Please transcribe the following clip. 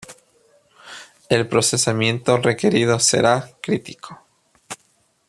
El procesamiento requerido será crítico.